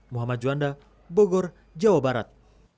muhammad juanda bogor jawa barat